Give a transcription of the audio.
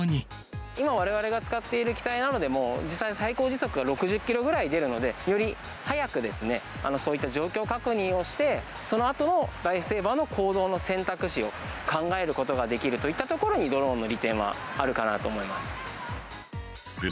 今、われわれが使っている機体などでも、実際の最高時速が６０キロぐらい出るので、より早くそういった状況確認をして、そのあとのライフセーバーの行動の選択肢を考えることができるといったところに、ドローンの利点はあるかなと思います。